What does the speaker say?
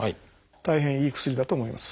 大変いい薬だと思います。